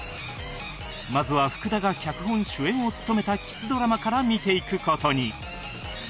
まずは福田が脚本・主演を務めたキスドラマから見ていく事に